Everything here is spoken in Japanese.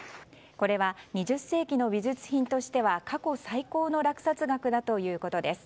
これは２０世紀の美術品としては過去最高の落札額だということです。